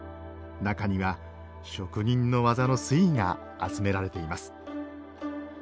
中には職人の技の粋が集められています。